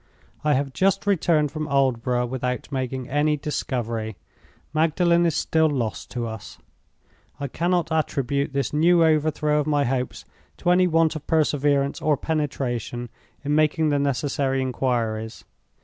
I have just returned from Aldborough, without making any discovery. Magdalen is still lost to us. "I cannot attribute this new overthrow of my hopes to any want of perseverance or penetration in making the necessary inquiries.